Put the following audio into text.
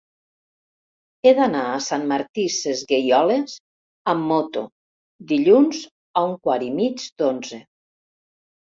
He d'anar a Sant Martí Sesgueioles amb moto dilluns a un quart i mig d'onze.